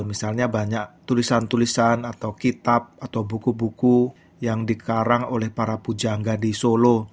misalnya banyak tulisan tulisan atau kitab atau buku buku yang dikarang oleh para pujangga di solo